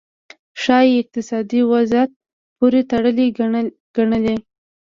ښايي اقتصادي وضعیت پورې تړلې ګڼلې.